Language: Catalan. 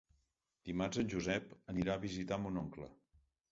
Dimarts en Josep anirà a visitar mon oncle.